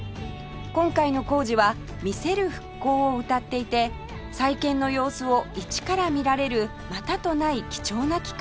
今回の工事は「見せる復興」をうたっていて再建の様子を一から見られるまたとない貴重な機会となっています